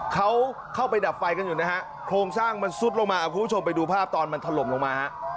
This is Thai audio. เขาเข้าไปดับไฟกันอยู่นะฮะ